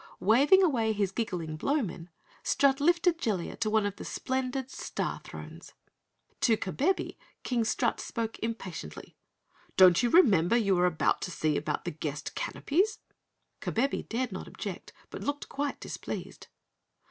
Waving away his giggling Blowmen, Strut lifted Jellia to one of the splendid Star Thrones. To Kabebe King Strut spoke impatiently. "Don't you remember you were to see about the Guest Canopies?" Kabebe dared not object but looked quite displeased.